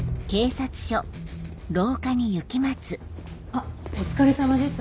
あっお疲れさまです。